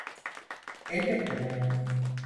Elbette bayan.